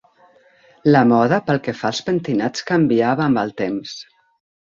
La moda pel que fa als pentinats canviava amb el temps.